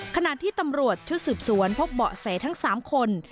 ขณะที่ตำรวจชุดสืบสวนพบเบาะแสทั้ง๓คน